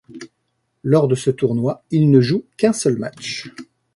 Lors de ce tournoi, il ne joue qu'un seul match.